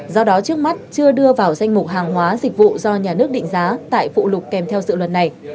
do đó trước mắt chưa đưa vào danh mục hàng hóa dịch vụ do nhà nước định giá tại phụ lục kèm theo dự luật này